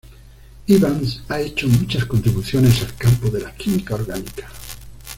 Evans ha hecho muchas contribuciones al campo de la química orgánica.